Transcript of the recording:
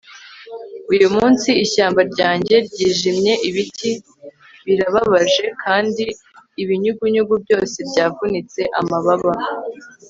uyu munsi ishyamba ryanjye ryijimye ibiti birababaje kandi ibinyugunyugu byose byavunitse amababa